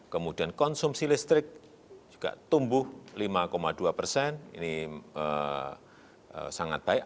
kemudian konsumsi listrik juga tumbuh lima dua persen ini sangat baik